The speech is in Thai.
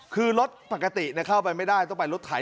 คือรถปกติเข้าไปไม่ได้ต้องไปรถไถ